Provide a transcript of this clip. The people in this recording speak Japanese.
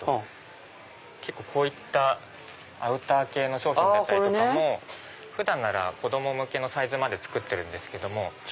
結構こういったアウター系の商品とかも普段なら子供向けのサイズまで作ってるんですけども。